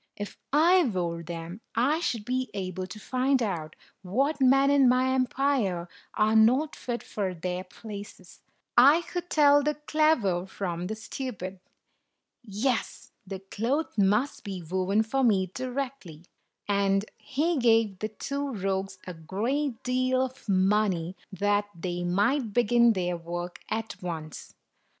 "If I wore them, I should be able to find out what men in my empire are not fit for their places ; I could tell the clever from the stupid. Yes, the cloth must be woven for me directly." And he gave the two rogues a great deal of money, that they might begin their work at once.